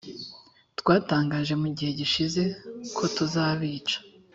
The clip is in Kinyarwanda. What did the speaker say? twatangaje mu gihe gishize kotuzabica